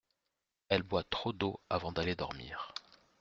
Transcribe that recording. Elle boit trop d’eau avant d’aller dormir.